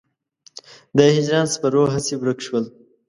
د هجران سپرو هسې ورک شول.